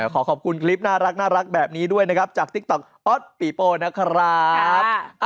ขอขอบคุณคลิปน่ารักแบบนี้ด้วยนะครับจากติ๊กต๊อกออสปีโปนะครับ